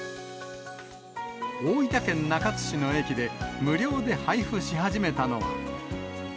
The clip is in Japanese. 大分県中津市の駅で、無料で配布し始めたのは。